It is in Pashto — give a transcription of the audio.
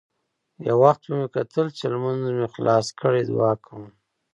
يو وخت به مې کتل چې لمونځ مې خلاص کړى دعا کوم.